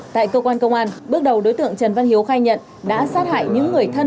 tại cơ quan công an bước đầu đối tượng trần văn hiếu khai nhận đã sát hại những người thân